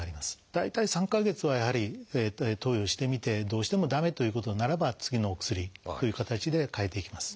大体３か月はやはり投与してみてどうしても駄目ということならば次のお薬という形で替えていきます。